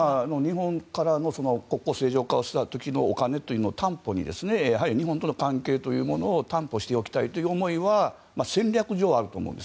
日本からの国交正常化をした時のお金を担保に、日本との関係を担保しておきたいという思いは戦略上あると思います。